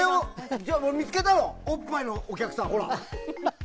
見つけたのよおっぱいのお客さん。